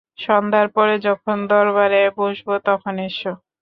সন্ধ্যার পরে যখন দরবারে বসব তখন এসো।